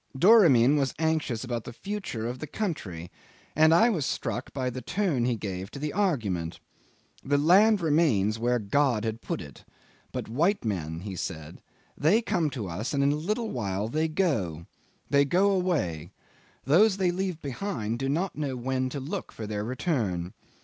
Doramin was anxious about the future of the country, and I was struck by the turn he gave to the argument. The land remains where God had put it; but white men he said they come to us and in a little while they go. They go away. Those they leave behind do not know when to look for their return.